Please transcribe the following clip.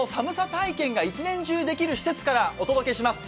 体験が一年中できる施設からお届けします。